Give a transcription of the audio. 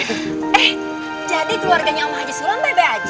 eh jadi keluarganya om haji sulam bebek aja